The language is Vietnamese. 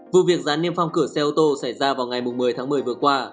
vụ việc gián niêm phong cửa xe ô tô xảy ra vào ngày một mươi tháng một mươi vừa qua